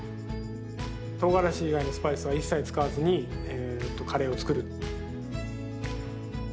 とうがらし以外のスパイスは一切使わずにカレーを作る。